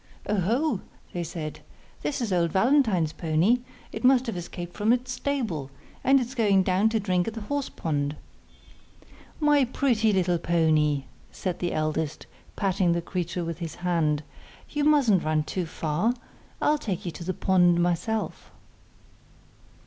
'Oh, ho!' they said, 'that is old Valentine's pony; it must have escaped from its stable, and is going down to drink at the horse pond.' 'My pretty little pony,' said the eldest, patting the creature with his hand, 'you mustn't run too far; I'll take you to the pond myself.